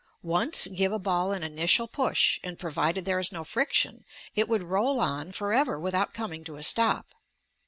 Ouce give a ball an initial push, and, provided there is no friction, it would roll on for ever without coming to a stop.